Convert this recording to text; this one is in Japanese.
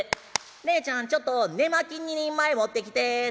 『ねえちゃんちょっと寝巻き２人前持ってきて』。